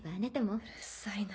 うるっさいな。